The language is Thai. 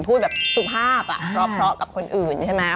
พูดแบบสุภาพอ่ะเพราะกับคนอื่นใช่ไหม